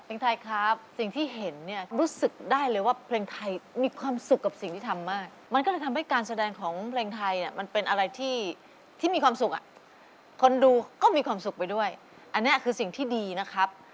ไทยครับสิ่งที่เห็นเนี่ยรู้สึกได้เลยว่าเพลงไทยมีความสุขกับสิ่งที่ทำมากมันก็เลยทำให้การแสดงของเพลงไทยเนี่ยมันเป็นอะไรที่มีความสุขอ่ะคนดูก็มีความสุขไปด้วยอันนี้คือสิ่งที่ดีนะครับ